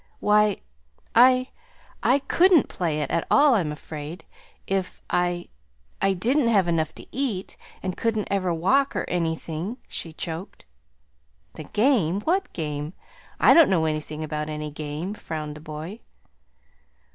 Why, I I couldn't play it at all, I'm afraid, if I I didn't have enough to eat, and couldn't ever walk, or anything," she choked. "The game? What game? I don't know anything about any game," frowned the boy.